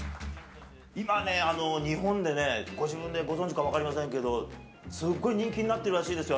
今ね、日本でね、ご自分でご存じか分かりませんけど、すっごい人気になってるらしいですよ。